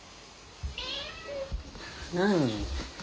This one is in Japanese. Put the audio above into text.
何？